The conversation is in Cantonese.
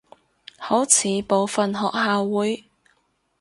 好似部份學校會